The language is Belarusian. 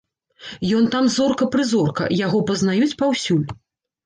Ён там зорка-прызорка, яго пазнаюць паўсюль.